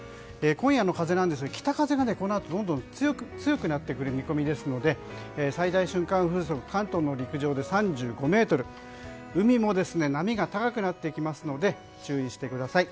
今夜の風なんですが北風がこのあとどんどん強くなってくる見込みですので最大瞬間風速関東の陸上で３５メートル海も波が高くなってきますので注意してください。